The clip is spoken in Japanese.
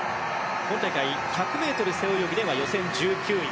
今大会１００ｍ背泳ぎでは予選１９位。